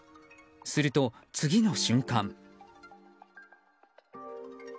すると次の瞬間。